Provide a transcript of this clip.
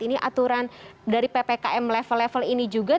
ini aturan dari ppkm level level ini juga